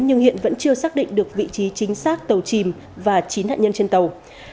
nhưng hiện vẫn chưa xác định được vị trí chính xác tàu chìm và chín nạn nhân trên tàu